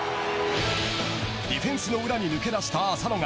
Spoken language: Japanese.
ディフェンスの裏に抜け出した浅野が